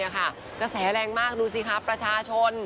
กระแสแรงมากดูสิครับประชาชน